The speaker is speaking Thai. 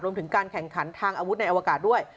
รวมถึงการแข่งขันทางอาวุธในอวกาศด้วย